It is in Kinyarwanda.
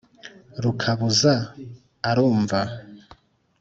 rukabuza arumva